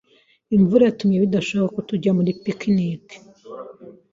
Imvura yatumye bidashoboka ko tujya muri picnic.